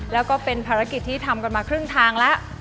แล้วก็เป็นภารกิจที่ทำกันมาครึ่งทางแล้ว